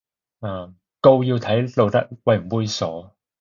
告要睇露得猥唔猥褻